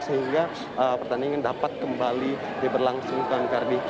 sehingga pertandingan dapat kembali diberlangsung ke angkardi